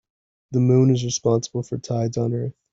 The moon is responsible for tides on earth.